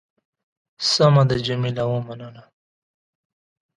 سمه ده. جميله ومنله.